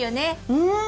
うん！